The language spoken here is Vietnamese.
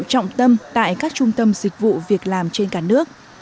trọng tâm tại các trung tâm dịch vụ việt nam trên cả nước